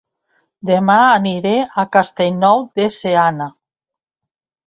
Dema aniré a Castellnou de Seana